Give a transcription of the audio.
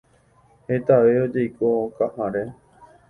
Hetave ojeiko okaháre.